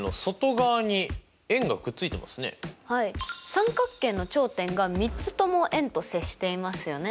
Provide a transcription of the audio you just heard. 三角形の頂点が３つとも円と接していますよね。